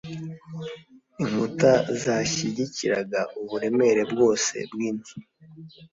inkuta zashyigikiraga uburemere bwose bwinzu